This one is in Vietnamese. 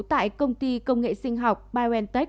tại công ty công nghệ sinh học biontech